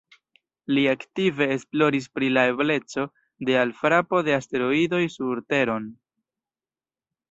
Li aktive esploris pri la ebleco de alfrapo de asteroidoj sur Teron.